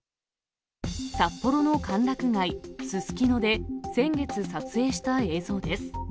札幌の歓楽街、すすきので先月撮影した映像です。